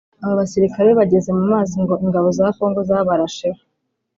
Aba basirikare bageze mu mazi ngo ingabo za Congo zabarasheho